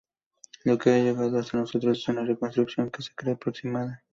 Lo que ha llegado hasta nosotros es una reconstrucción que se cree aproximada.